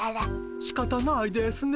しかたないですね。